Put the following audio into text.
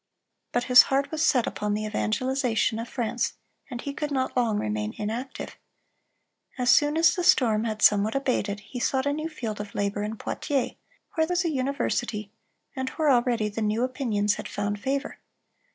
But his heart was set upon the evangelization of France, and he could not long remain inactive. As soon as the storm had somewhat abated, he sought a new field of labor in Poitiers, where was a university, and where already the new opinions had found favor.